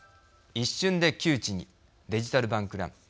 一瞬で窮地にデジタル・バンク・ラン。